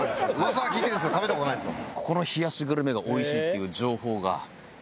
噂は聞いてるんですけど食べた事ないんですよ。